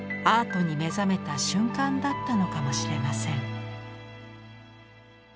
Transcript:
アートに目覚めた瞬間だったのかもしれません。